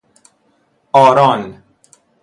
آران